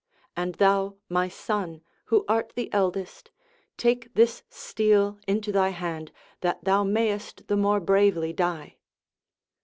And thou, my son, who art the eldest, take this steel into thy hand, that thou mayest the more bravely die."